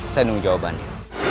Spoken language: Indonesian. saya nunggu jawabannya